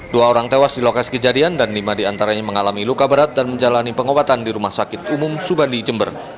dua orang tewas di lokasi kejadian dan lima diantaranya mengalami luka berat dan menjalani pengobatan di rumah sakit umum subandi jember